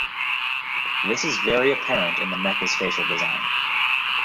This is very apparent in the mecha's facial design.